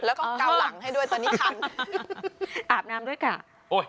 แล้วก็เกาหลังให้ด้วยตอนนี้ทำอาบน้ำด้วยกะ